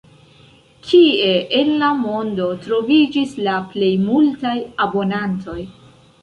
Kie en la mondo troviĝis la plej multaj abonantoj?